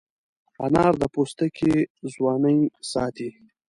انار د پوستکي ځوانۍ ساتي.